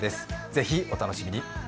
ぜひお楽しみに。